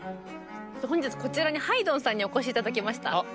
本日こちらにハイドンさんにお越し頂きました。